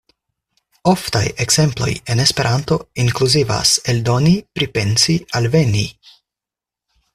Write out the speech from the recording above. Oftaj ekzemploj en Esperanto inkluzivas "eldoni", "pripensi", "alveni".